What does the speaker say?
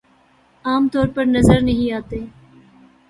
عام طور پر نظر نہیں آتے